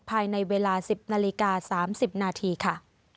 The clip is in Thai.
ภายในเวลา๑๐นาฬิกา๓๐นาทีค่ะ